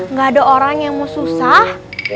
nggak ada orang yang mau susah